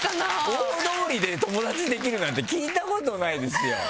大通りで友達できるなんて聞いたことないですよ。